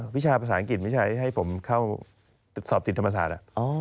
วิชาภาษาอังกฤษไม่ใช่ให้ผมเข้าสอบติดธรรมศาสตร์